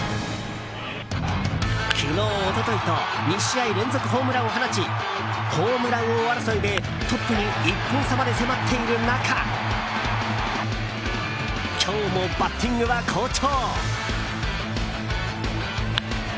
昨日、一昨日と２試合連続ホームランを放ちホームラン王争いでトップに１本差まで迫っている中今日もバッティングは好調。